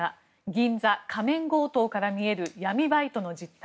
銀座仮面強盗から見える闇バイトの実態。